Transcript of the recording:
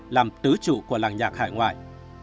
làm tứ trụ của làng nhạc hải ngoại